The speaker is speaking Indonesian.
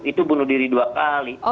itu bunuh diri dua kali